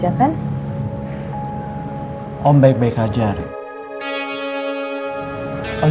hati yang tidak pernah didahinkan